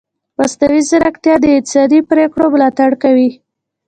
مصنوعي ځیرکتیا د انساني پرېکړو ملاتړ کوي.